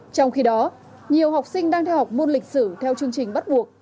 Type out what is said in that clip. trong khi đó nhiều học sinh đang theo học môn lịch sử theo chương trình bắt buộc